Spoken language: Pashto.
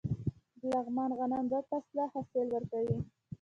د لغمان غنم دوه فصله حاصل ورکوي.